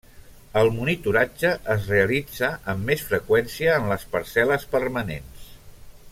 El monitoratge es realitza amb més freqüència en les parcel·les permanents.